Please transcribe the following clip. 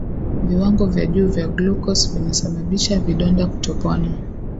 viwango vya juu vya glucose vinasababisha vidonda kutopona